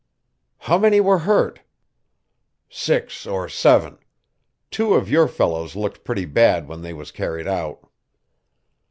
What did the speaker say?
"How many were hurt?" "Six or seven. Two of your fellows looked pretty bad when they was carried out."